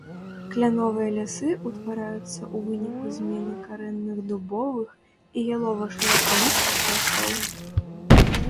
Кляновыя лясы ўтвараюцца ў выніку змены карэнных дубовых і ялова-шыракалістых лясоў.